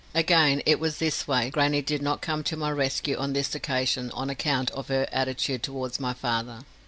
Again, it was this way, grannie did not come to my rescue on this occasion on account of her attitude towards my father.